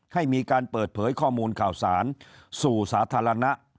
ให้มีการเปิดเผยข้อมูลข่าวสารสู่สาธารณะ